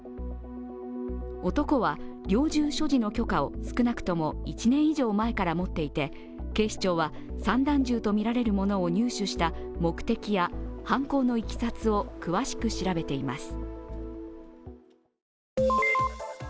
男は猟銃所持の許可を少なくとも１年以上前から持っていて警視庁は散弾銃とみられるものを入手した目的や犯行のいきさつを詳しく調べています。